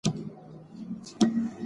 فعال چلند ماشوم ته باور ورکوي.